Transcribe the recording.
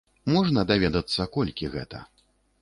Можна даведацца, колькі гэта?